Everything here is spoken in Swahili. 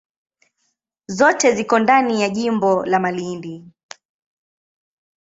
Zote ziko ndani ya jimbo la Malindi.